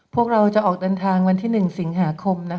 พวกเราจะออกเดินทางวันที่๑สิงหาคม